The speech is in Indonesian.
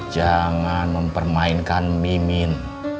jangan mempermainkan mimin